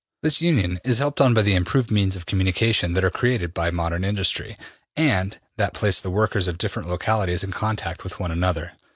This union is helped on by the im proved means of communication that are created by modern industry, and that place the workers of different localities in contact with one another.